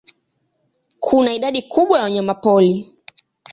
Kuna idadi kubwa ya wanyamapori.